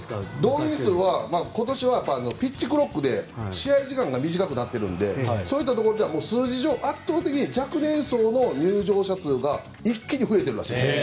動員数は今年はピッチクロックで試合時間が短くなっているのでそういったところでは数字上、圧倒的に若年層の入場者数が一気に増えているらしいですよ。